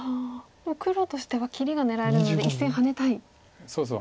もう黒としては切りが狙えるので１線ハネたいですよね。